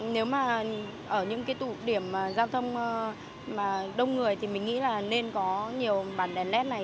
nếu mà ở những tụ điểm giao thông đông người thì mình nghĩ là nên có nhiều bảng đèn led này